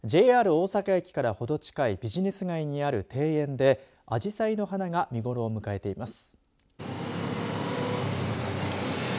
ＪＲ大阪駅からほど近いビジネス街にある庭園であじさいの花が見頃を迎えています。